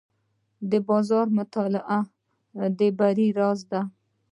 د بازار مطالعه د بری راز دی.